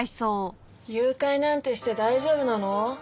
誘拐なんてして大丈夫なの？